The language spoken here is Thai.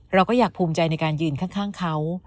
เราก็อยากภูมิใจในการยืนข้างเขา